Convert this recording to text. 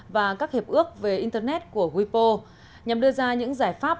và các hiệp ước về internet của wipo nhằm đưa ra những giải pháp